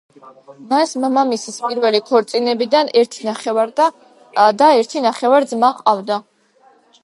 მას მამამისის პირველი ქორწინებიდან ერთი ნახევარ-და და ერთი ნახევარ-ძმა ჰყავდა.